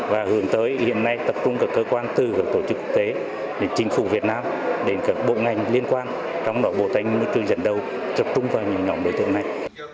và hướng tới hiện nay tập trung các cơ quan từ các tổ chức quốc tế đến chính phủ việt nam đến các bộ ngành liên quan trong đó bộ tài nguyên môi trường dẫn đầu tập trung vào những nhóm đối tượng này